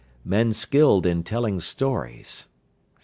Men skilled in telling stories.